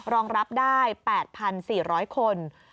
รองรับได้๘๔๐๐คน